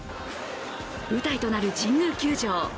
舞台となる神宮球場。